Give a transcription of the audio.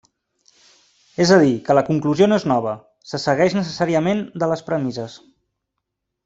És a dir, que la conclusió no és nova, se segueix necessàriament de les premisses.